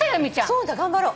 そうだ頑張ろう。